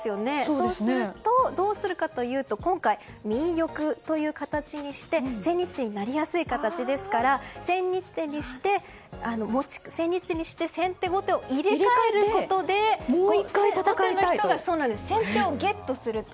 そうすると、どうするかというと今回、右玉という形にして千日手になりやすい形ですから千日手にして先手・後手を入れ替えることで後手の人が先手をゲットすると。